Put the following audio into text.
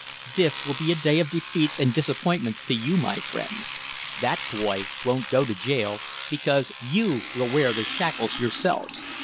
"This will be a day of defeats and disappointments to you, my friends. That boy won't go to jail because you will wear the shackles yourselves.